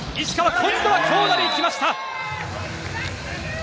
今度は強打で行きました。